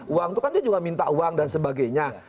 uang itu kan dia juga minta uang dan sebagainya